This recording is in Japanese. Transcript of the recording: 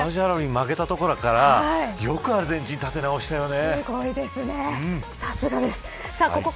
まさか、サウジアラビアに負けたところからよくアルゼンチン立て直したよね。